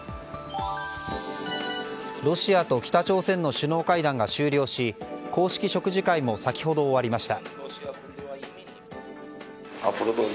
ロシアと北朝鮮の首脳会談が終了し、公式食事会も先ほど終わりました。